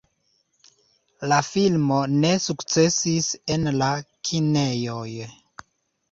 La filmo ne sukcesis en la kinejoj.